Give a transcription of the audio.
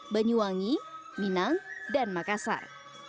banyuwangi minang dan makassar